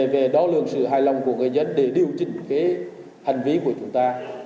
về đo lường sự hài lòng của người dân để điều chỉnh hành vi của chúng ta